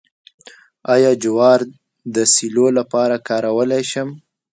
آیا جوار د سیلو لپاره کارولی شم؟